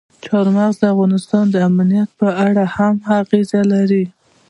چار مغز د افغانستان د امنیت په اړه هم اغېز لري.